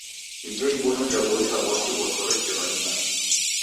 Ijo ibonyo jaboisa w'asi ghosow'ekelwa nim machi.